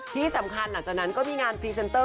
ที่สำคัญหลังจากนั้นก็มีงานพรีเซนเตอร์